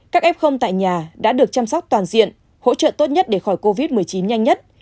các f tại nhà đã được chăm sóc toàn diện hỗ trợ tốt nhất để khỏi covid một mươi chín nhanh nhất